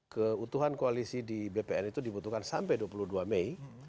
keutuhan koalisi di bpn itu dibutuhkan sampai dua puluh dua mei